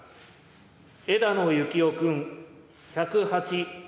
枝野幸男君１０８。